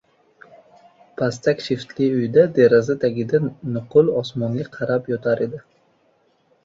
Pastak shiftli uyda, deraza tagida nuqul osmonga qarab yotar edi.